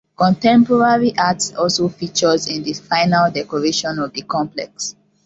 Contemporary art also features in the final decoration of the complex.